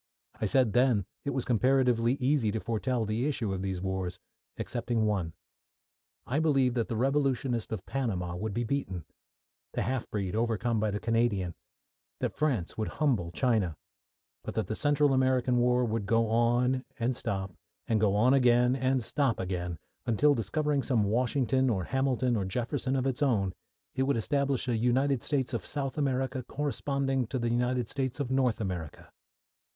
I said then it was comparatively easy to foretell the issue of these wars excepting one. I believed that the Revolutionist of Panama would be beaten; the half breed overcome by the Canadian; that France would humble China, but that the Central American war would go on, and stop, and go on again, and stop again, until, discovering some Washington or Hamilton or Jefferson of its own, it would establish a United States of South America corresponding with the United States of North America.